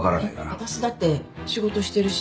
えっ私だって仕事してるし。